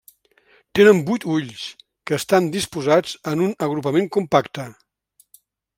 Tenen vuit ulls, que estan disposats en un agrupament compacte.